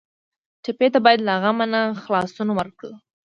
ټپي ته باید له غم نه خلاصون ورکړو.